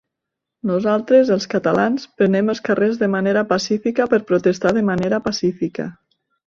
Nosaltres, els catalans, prenem els carrers de manera pacífica per protestar de manera pacífica.